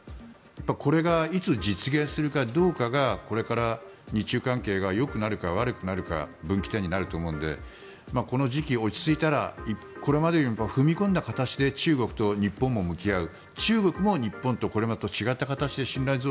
これがいつ実現するかどうかがこれから日中関係がよくなるか悪くなるか分岐点になると思うのでこの時期、落ち着いたらこれまでよりも踏み込んだ形で中国と日本も向き合う。